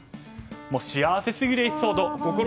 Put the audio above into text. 幸せにするエピソード